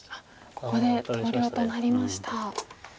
ここで投了となりました。